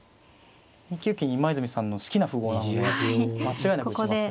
２九金今泉さんの好きな符号なので間違いなく打ちますね。